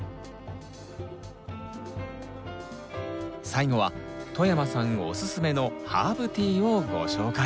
最後は外山さんおすすめのハーブティーをご紹介。